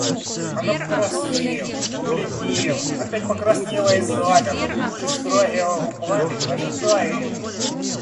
Она покраснела, побледнела, опять покраснела и замерла, чуть вздрагивая губами, ожидая его.